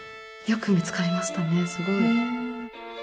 よく見つかりましたねすごい。